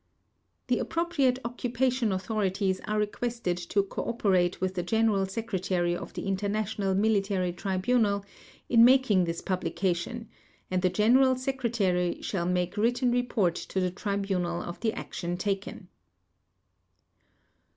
The appropriate occupation authorities are requested to cooperate with the General Secretary of the International Military Tribunal in making this publication and the General Secretary shall make written report to the Tribunal of the action taken.